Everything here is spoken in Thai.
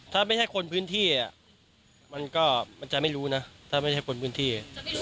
ถ้าไม่ใช่คนพื้นที่มันก็มันจะไม่รู้นะถ้าไม่ใช่คนพื้นที่